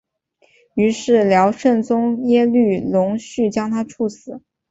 于是辽圣宗耶律隆绪将他处死。